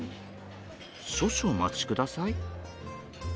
少々お待ち下さい。